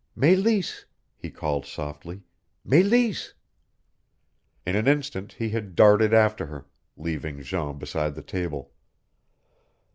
"Meleese!" he called softly. "Meleese!" In an instant he had darted after her, leaving Jean beside the table.